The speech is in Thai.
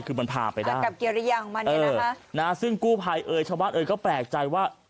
คือมันพาไปได้เออนะครับซึ่งกู้ภัยเอ๋ยชาววัดเอ๋ยก็แปลกใจว่า